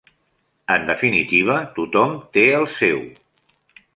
En definitiva, tothom té el seu.